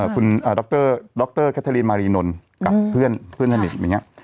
คุณดรดรแคทรีนมารีนนท์กับเพื่อนสนิทอย่างนี้